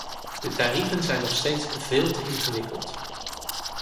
De tarieven zijn nog steeds veel te ingewikkeld.